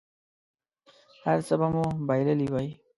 هر څه به مو بایللي وي.